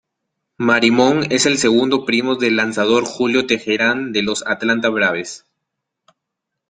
Marimón es el segundo primo del lanzador Julio Teherán de los Atlanta Braves.